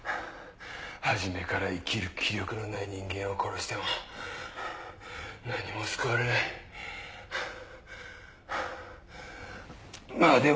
初めから生きる気力のない人間を殺しても何も救われない。